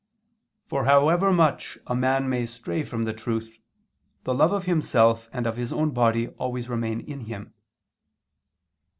"For however much a man may stray from the truth, the love of himself and of his own body always remains in him."